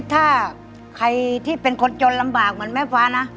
ถ้าใครที่เป็นคนจนลำบากเหมือนแม่ฟ้านะ